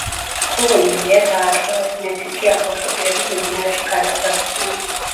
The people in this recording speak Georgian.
ქურუმი რეა დაატყვევეს, მეფემ კი ახალშობილების მდინარეში გადაყრა ბრძანა.